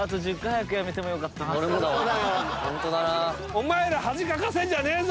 お前ら恥かかせんじゃねえぞ！